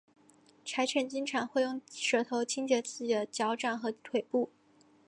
柴犬经常会用舌头清洁自己的脚掌和腿部。